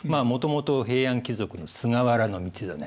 もともと平安貴族の菅原道真